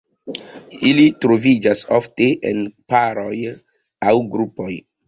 Ili troviĝas ofte en paroj aŭ grupoj.